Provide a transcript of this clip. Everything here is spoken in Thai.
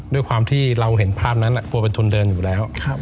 ด้วยความที่เราเห็นภาพนั้นกลัวเป็นทุนเดินอยู่แล้ว